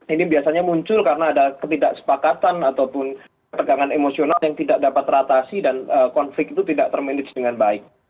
ini biasanya muncul karena ada ketidaksepakatan ataupun ketegangan emosional yang tidak dapat teratasi dan konflik itu tidak termanage dengan baik